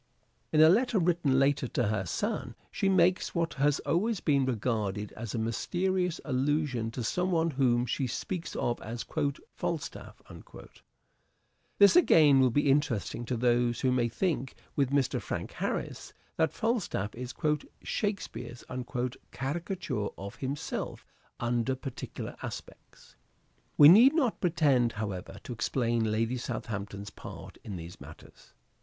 In a letter written later to her son she makes what has always been regarded as a mysterious allusion to some one whom she speaks of as " Falstaff." This, again, will be interesting to those who may think with Mr. Frank Harris that Falstaff is " Shakespeare's " caricature of himself under particular aspects. We need not pretend, however, to explain Lady Southampton's part in these matters.